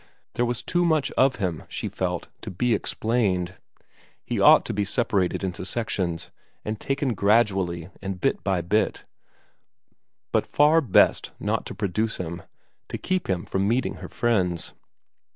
There was too much of him, she felt, to be explained. He ought to be separated into sections, and taken gradually and bit by bit, but far best not to produce him, to keep him from meeting her friends.